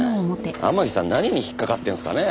天樹さん何に引っかかってるんですかね？